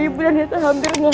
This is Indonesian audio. ibu dan saya hampir menghalang